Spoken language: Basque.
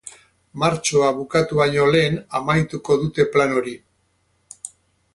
Martxoa bukatu baino lehen amaituko dute plan hori.